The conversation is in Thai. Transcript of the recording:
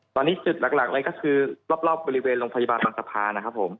ตอนนี้จุดหลักเลยก็คือรอบบริเวณโรงพยาบาลบางสะพานนะครับผม